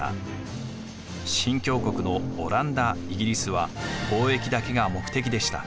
新教国のオランダ・イギリスは貿易だけが目的でした。